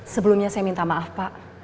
sebelumnya saya minta maaf pak